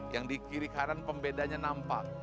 yang di kiri kanan pembedanya nampak